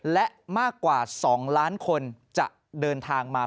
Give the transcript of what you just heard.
และมากกว่า๒ล้านคนจะเดินทางมา